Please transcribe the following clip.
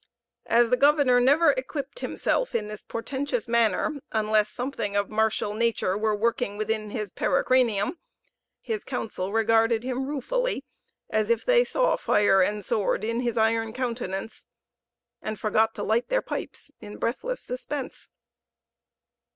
As the governor never equipped himself in this portentious manner unless something of martial nature were working within his pericranium, his council regarded him ruefully, as if they saw fire and sword in his iron countenance, and forgot to light their pipes in breathless suspense.